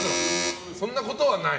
そんなことはない。